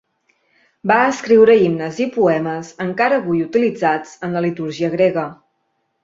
Va escriure himnes i poemes encara avui utilitzats en la litúrgia grega.